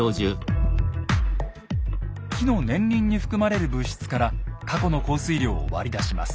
木の年輪に含まれる物質から過去の降水量を割り出します。